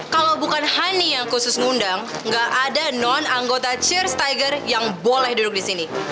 kalau bukan honey yang khusus ngundang nggak ada non anggota chair stiker yang boleh duduk di sini